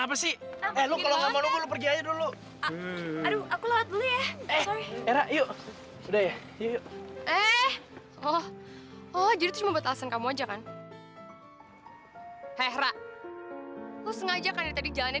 bagaimana aja kamu pernah kelihatan